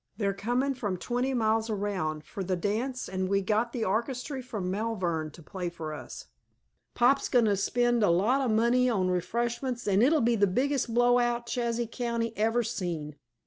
"They're comin' from twenty mile around, fer the dance, an' we've got the orchestry from Malvern to play for us. Pop's goin' to spend a lot of money on refreshments an' it'll be the biggest blow out Chazy County ever seen!"